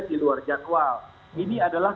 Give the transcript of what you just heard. di luar jadwal ini adalah